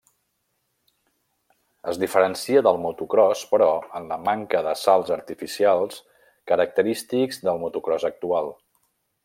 Es diferencia del motocròs, però, en la manca dels salts artificials característics del motocròs actual.